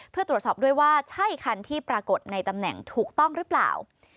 เพื่อตรวจสอบด้วยว่าใช่คันที่ปรากฏในตำแหน่งถูกต้องหรือเปล่า